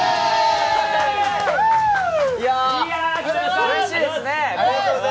うれしいですね。